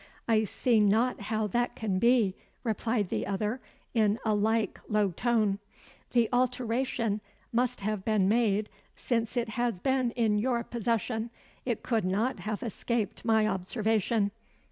"I see not how that can be," replied the other, in a like low tone. "The alteration must have been made since it has been in your possession. It could not have escaped my observation."